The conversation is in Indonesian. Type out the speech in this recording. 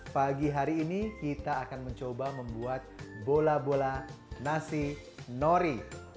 pagi hari ini kita akan mencoba membuat bola bola nasi nori